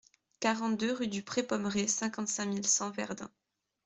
quarante-deux rue du Pré Pommeré, cinquante-cinq mille cent Verdun